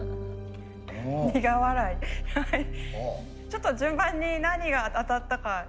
ちょっと順番に何が当たったか。